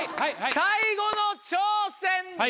最後の挑戦です。